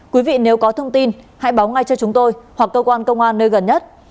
quý vị nếu có thông tin hãy báo ngay cho chúng tôi hoặc cơ quan công an nơi gần nhất